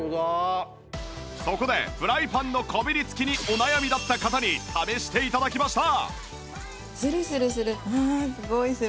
そこでフライパンのこびりつきにお悩みだった方に試して頂きました